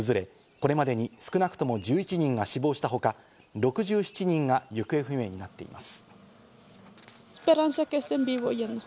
これまでに少なくとも１１人が死亡したほか、６７人が行方不明になっています。